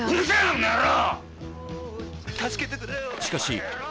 この野郎！